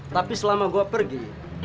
tapi selama gue pergi